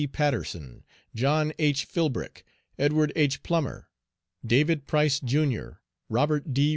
Patterson, John H. Philbrick, Edward H. Plummer, David Price, Jr., Robert D.